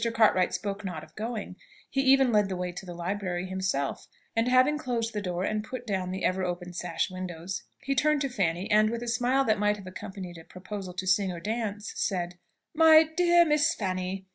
Cartwright spoke not of going he even led the way to the library himself, and having closed the door and put down the ever open sash windows, he turned to Fanny, and, with a smile that might have accompanied a proposal to sing or dance, said, "My dear Miss Fanny!